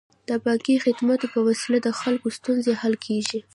د بانکي خدمتونو په وسیله د خلکو ستونزې حل کیږي.